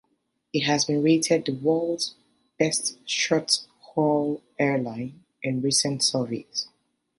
It has been rated the world's best short-haul airline in more recent surveys.